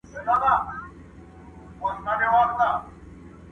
• یو قاضي بل څارنوال په وظیفه کي.